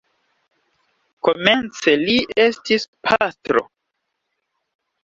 Komence li estis pastro.